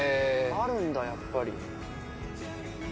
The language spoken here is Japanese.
あるんだやっぱり。